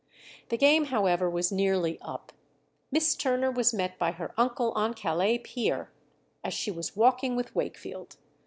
The game, however, was nearly up. Miss Turner was met by her uncle on Calais pier as she was walking with Wakefield.